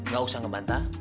gak usah ngebantah